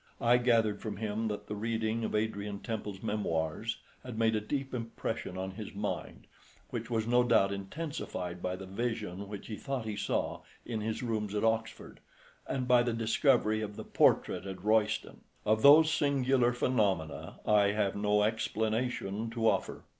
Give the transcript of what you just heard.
I gathered from him that the reading of Adrian Temple's memoirs had made a deep impression on his mind, which was no doubt intensified by the vision which he thought he saw in his rooms at Oxford, and by the discovery of the portrait at Royston. Of those singular phenomena I have no explanation to offer.